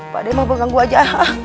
pademang mengganggu aja